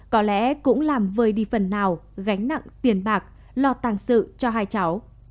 có lẽ cũng làm vơi đi phần nào gánh nặng tiền bạc lo tàng sự cho hai cháu